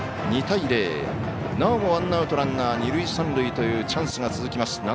２対０、なおもワンアウトランナー、二塁三塁というチャンスが続きます。